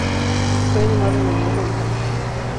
Fue inhumado en la iglesia de San Pablo.